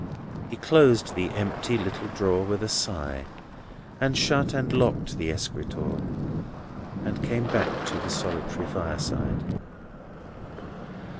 He closed the empty little drawer with a sigh, and shut and locked the escritoire, and came back to the solitary fireside.